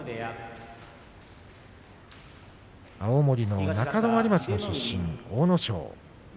青森の中泊町の出身の阿武咲。